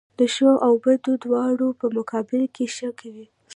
د ښو او بدو دواړو په مقابل کښي ښه کوئ!